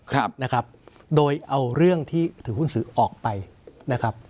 ครับนะครับโดยเอาเรื่องที่ถือหุ้นสื่อออกไปนะครับ